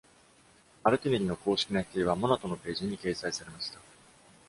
マルティネリの公式な否定は「Monato」のページに掲載されました。